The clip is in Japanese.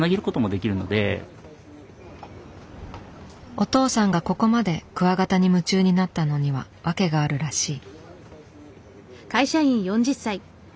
お父さんがここまでクワガタに夢中になったのには訳があるらしい。